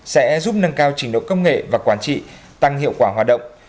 sẽ giúp nâng cao trình độ công nghệ và quản trị tăng hiệu quả hoạt động